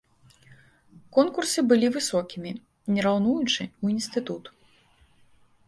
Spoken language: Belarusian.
Конкурсы былі высокімі, не раўнуючы, у інстытут.